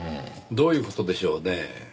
どういう事でしょうねぇ。